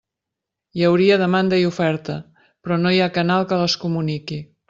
Hi hauria demanda i oferta, però no hi ha canal que les comuniqui.